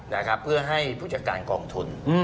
นะครับเพื่อให้ผู้จัดการกองทุน